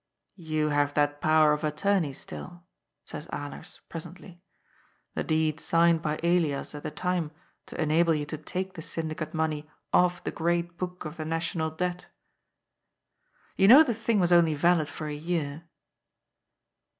^'You have that power of attorney still," says Alers presently. ^^ The deed signed by Elias at the time to enable you to take the syndicate money off the Great Book of the National Debt." " You know the thing was only valid for a year."